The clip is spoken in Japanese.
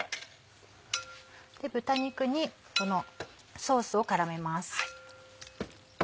豚肉にこのソースを絡めます。